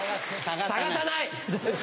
探さない！